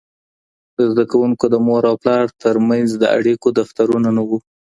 د زده کوونکو د مور او پلار ترمنځ د اړیکو دفترونه نه وو.